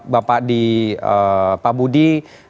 bapak di pak budi